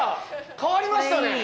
変わりましたね！